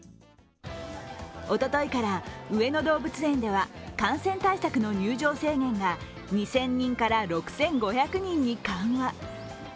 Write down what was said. おとといから上野動物園では感染対策の入場制限が２０００人から６５００人に緩和。